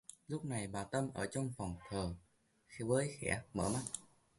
Lúc này bà tâm ở trong phòng thờ với khẽ mở mắt